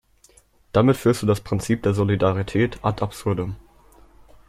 Damit führst du das Prinzip der Solidarität ad absurdum.